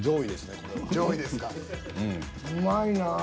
うまいなぁ。